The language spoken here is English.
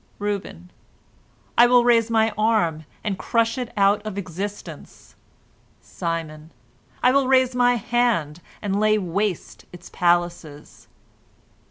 Reuben: "I will raise my arm, and crush it out of existence." Simon: "I will raise my hand, and lay waste its palaces."